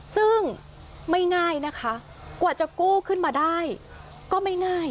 ซึ่งไม่ง่ายนะคะกว่าจะกู้ขึ้นมาได้ก็ไม่ง่าย